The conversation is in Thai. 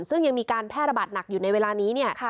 ซึ่งยังมีการแพร่ระบาดหนักอยู่ในเวลานี้เนี่ย